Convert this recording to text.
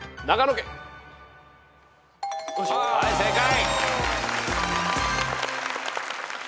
はい正解。